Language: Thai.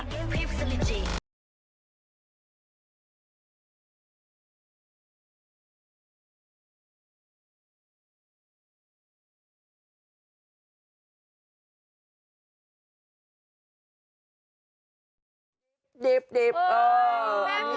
ดีบเออแม่งดีบว่ะ